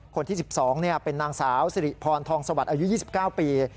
คนที่สิบสองเป็นนางสาวสิริพรทองสวรรค์อายุ๒๙ปี